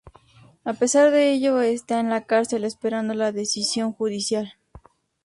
A pesar de ello está en la cárcel esperando la decisión judicial.